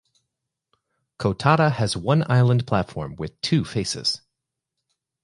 Kotata has one island platform with two faces.